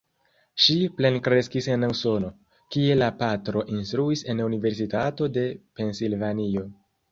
Ŝi plenkreskis en Usono, kie la patro instruis en Universitato de Pensilvanio.